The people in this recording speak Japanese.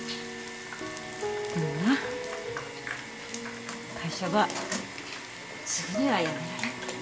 でもな会社ばすぐにはやめられんけん。